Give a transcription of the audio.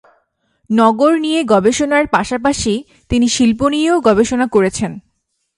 নগর নিয়ে গবেষণার পাশাপাশি তিনি শিল্প নিয়েও গবেষণা করেছেন।